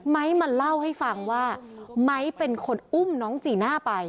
มาเล่าให้ฟังว่าไม้เป็นคนอุ้มน้องจีน่าไป